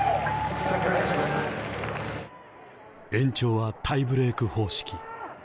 延長はタイブレーク方式。